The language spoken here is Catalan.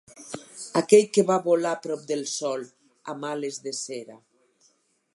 Aquell que va volar prop del sol amb ales de cera.